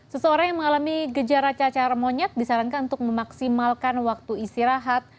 seseorang yang mengalami gejala cacar monyet disarankan untuk memaksimalkan waktu istirahat